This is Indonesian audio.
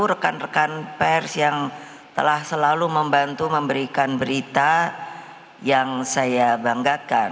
rekan rekan pers yang telah selalu membantu memberikan berita yang saya banggakan